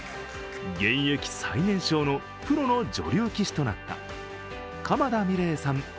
現役最年少のプロの女流棋士となった鎌田美礼さん